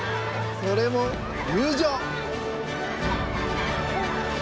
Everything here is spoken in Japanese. それも友情！